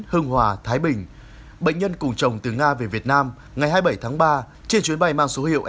hưng hòa thái bình bệnh nhân cùng chồng từ nga về việt nam ngày hai mươi bảy tháng ba trên chuyến bay mang số hiệu